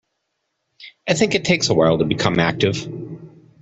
I think it takes a while to become active.